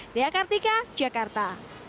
di akartika jakarta